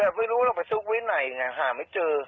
เหรอแต่ไม่รู้ว่าเราไปซื้อไว้ไหนไงหาไม่เจอ